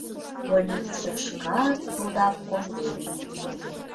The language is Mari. Больницышкат тудак конден.